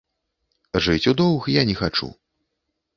Жыць у доўг я не хачу.